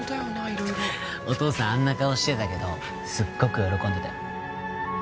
色々お父さんあんな顔してたけどすっごく喜んでたよ